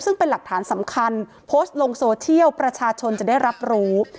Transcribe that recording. ซึ่งเป็นหลักฐานสำคัญโพสต์ลงโซเชียลประชาชนจะได้รับรู้